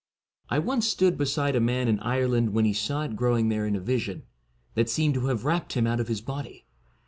I once stood beside a man in Ireland when he saw it growing there in a vision, that seemed to have rapt him out of his body.